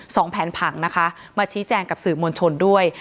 แผนผังนะคะมาชี้แจงกับสื่อมวลชนด้วย